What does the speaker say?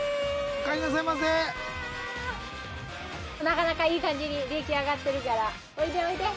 なかなかいい感じに出来上がってるからおいでおいで。